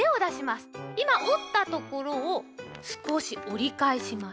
いまおったところをすこしおりかえします。